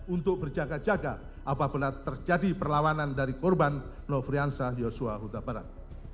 untuk berjaga jaga apabila terjadi perlawanan dari korban nofriansah yosua huta barat